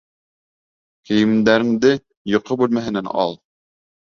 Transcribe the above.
Кейемдәреңде йоҡо бүлмәһенән ал!